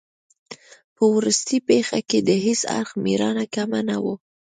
په وروستۍ پېښه کې د هیڅ اړخ مېړانه کمه نه وه.